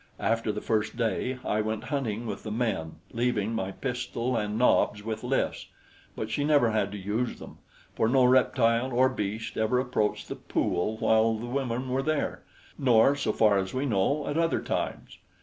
After the first day I went hunting with the men, leaving my pistol and Nobs with Lys, but she never had to use them, for no reptile or beast ever approached the pool while the women were there nor, so far as we know, at other times.